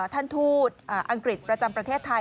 ท่านทูตอังกฤษประจำประเทศไทย